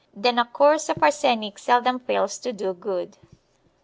Then a course of arsenic seldom fails to do good.